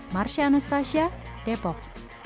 marsha anastasia depok